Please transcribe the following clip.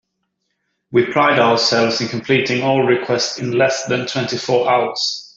We pride ourselves in completing all requests in less than twenty four hours.